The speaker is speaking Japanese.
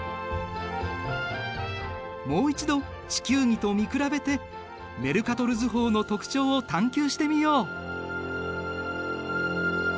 もう一度地球儀と見比べてメルカトル図法の特徴を探究してみよう。